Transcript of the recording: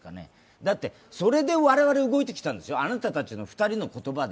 だってそれで我々動いてきたんですよ、あなたたち２人の言葉で。